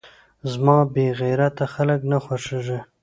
زما بې غيرته خلک نه خوښېږي .